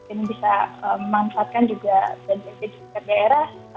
ini bisa memanfaatkan juga bgp di sekitar daerah